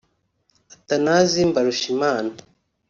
Athanase Mbarushimana